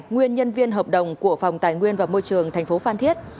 nguyên nhân viên hợp đồng của phòng tài nguyên và môi trường tp phan thiết